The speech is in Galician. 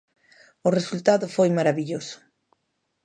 O resultado foi marabilloso.